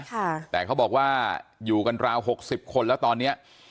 ค่ะแต่เขาบอกว่าอยู่กันราวหกสิบคนแล้วตอนเนี้ย